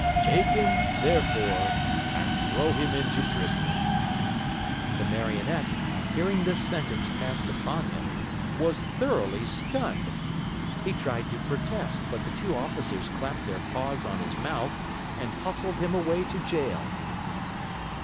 Take him, therefore, and throw him into prison." The Marionette, on hearing this sentence passed upon him, was thoroughly stunned. He tried to protest, but the two officers clapped their paws on his mouth and hustled him away to jail.